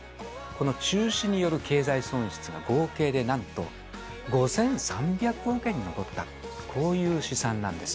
この中止による経済損失が合計でなんと５３００億円に上った、こういう試算なんです。